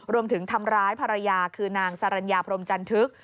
ทำร้ายภรรยาคือนางสรรญาพรมจันทึก